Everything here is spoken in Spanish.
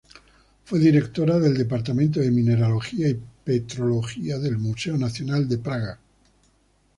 Fue directora del departamento de Mineralogía y Petrología del Museo Nacional de Praga.